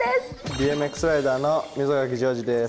ＢＭＸライダーの溝垣丈司です。